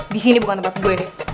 disini bukan tempat gue deh